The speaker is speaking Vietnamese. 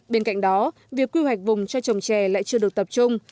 bên cạnh đó việc quy hoạch vùng cho trồng trè lại chưa được tập trung